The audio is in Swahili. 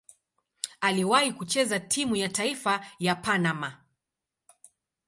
Aliwahi kucheza timu ya taifa ya Panama.